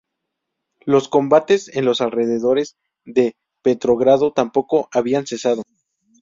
Los combates en los alrededores de Petrogrado tampoco habían cesado.